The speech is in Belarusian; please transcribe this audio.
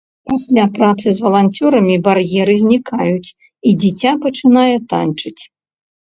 Пасля працы з валанцёрамі бар'еры знікаюць, і дзіця пачынае танчыць.